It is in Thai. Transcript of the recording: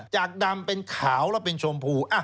จากดำเป็นขาวแล้วเป็นชมพู